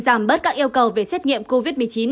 giảm bớt các yêu cầu về xét nghiệm covid một mươi chín